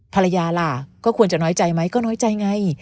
ภรรยาล่ะก็ควรจะน้อยใจไหมก็น้อยใจไง